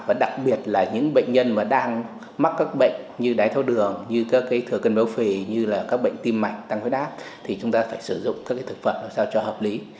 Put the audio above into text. và đặc biệt là những bệnh nhân mà đang mắc các bệnh như đái tháo đường như các thừa cân béo phì như là các bệnh tim mạch tăng huyết áp thì chúng ta phải sử dụng các thực phẩm làm sao cho hợp lý